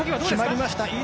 決まりました。